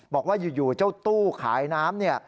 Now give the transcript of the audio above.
บอกว่าอยู่เจ้าตู้ขายน้ำเนี่ย